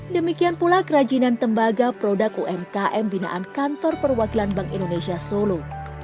demikian pula kerajinan tembaga produk umkm binaan kantor perwakilan bank indonesia solo